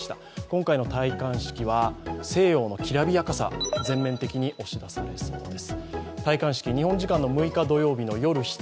今回の戴冠式は西洋のきらびやかさ、全面的に押し出されるようです。